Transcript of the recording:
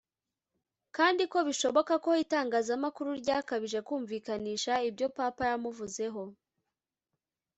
kandi ko bishoboka ko itangazamakuru ryakabije kumvikanisha ibyo Papa yamuvuzeho